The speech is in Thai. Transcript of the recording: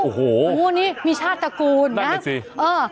โอ้โหนี่มีชาติตระกูลนะนั่นแหละสิ